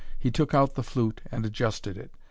He took out the flute, and adjusted it.